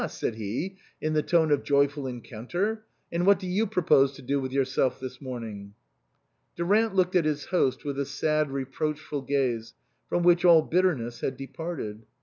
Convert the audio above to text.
said he, in the tone of joyful encounter. "And what do you propose to do with yourself this morning?" Durant looked at his host with a sad reproach ful gaze from which all bitterness had departed.